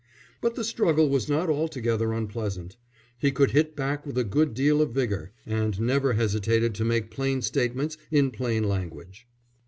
But the struggle was not altogether unpleasant. He could hit back with a good deal of vigour, and never hesitated to make plain statements in plain language.